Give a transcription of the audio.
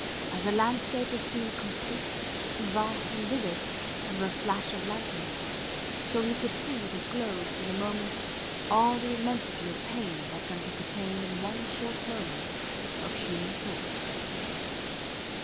As a landscape is seen complete, and vast, and vivid, under a flash of lightning, so he could see disclosed in a moment all the immensity of pain that can be contained in one short moment of human thought.